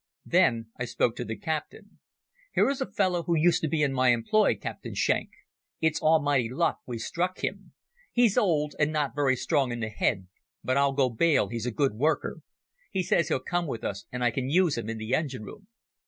Then I spoke to the captain. "Here is a fellow who used to be in my employ, Captain Schenk. It's almighty luck we've struck him. He's old, and not very strong in the head, but I'll go bail he's a good worker. He says he'll come with us and I can use him in the engine room."